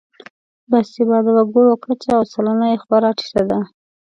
باسواده وګړو کچه او سلنه یې خورا ټیټه ده.